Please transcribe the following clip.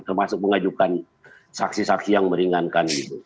termasuk mengajukan saksi saksi yang meringankan